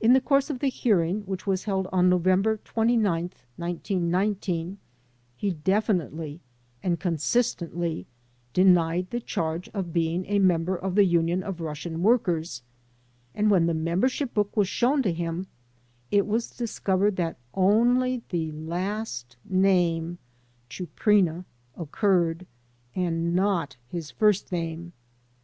In the course of the hear ing which was held on November 29th, 1919, he definitely and consistently denied the charge of being a member of The Union of Russian Workers, and when the member ship book was shown to him it was discovered that only the last name, "Chuprina," occurred, and not his first name.